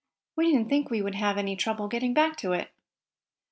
"We didn't think we would have any trouble getting back to it."